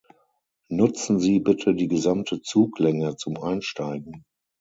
Nutzen Sie bitte die gesamte Zuglänge zum Einsteigen!